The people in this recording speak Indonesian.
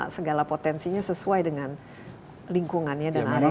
segala potensinya sesuai dengan lingkungannya dan area nya